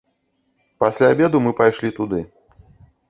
Пасля абеду мы пайшлі туды.